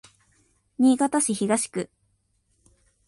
新潟市東区